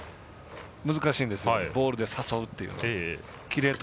難しいんです、ボールで誘うのは。